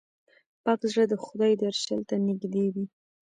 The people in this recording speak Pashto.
پاک زړه د خدای درشل ته نږدې وي.